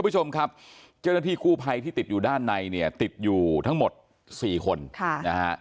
เจ้าหน้าที่คู่ภัยที่ติดอยู่ด้านในติดอยู่ทั้งหมด๔คน